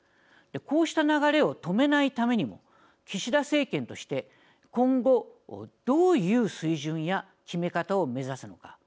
こうした流れを止めないためにも岸田政権として今後、どういう水準や決め方を目指すのか。